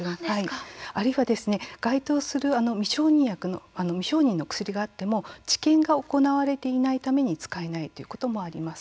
あるいは該当する未承認の薬があっても治験が行われていないために使えないということもあります。